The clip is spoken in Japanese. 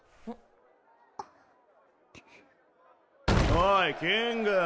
おいキング。